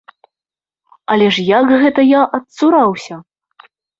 Але ж як гэта я адцураўся?